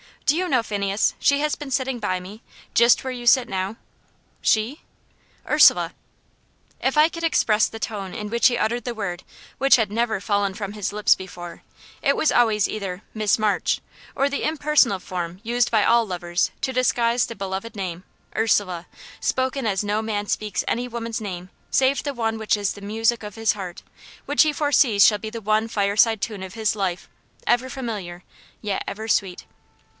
Do you know, Phineas, she has been sitting by me, just where you sit now." "She?" "Ursula." If I could express the tone in which he uttered the word, which had never fallen from his lips before it was always either "Miss March," or the impersonal form used by all lovers to disguise the beloved name "URSULA," spoken as no man speaks any woman's name save the one which is the music of his heart, which he foresees shall be the one fireside tune of his life, ever familiar, yet ever sweet.